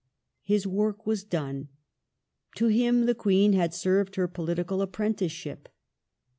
His work was done. To him the Queen had served her political apprenticeship.